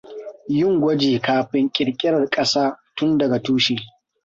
Yin gwaji kafin ƙirƙirar ƙasa tun daga tushe.